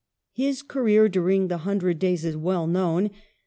His career during the Hundred Days is well known.